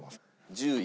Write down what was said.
１０位？